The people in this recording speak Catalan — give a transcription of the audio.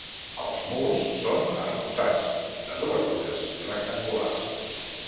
Els murs són arrebossats i les obertures rectangulars.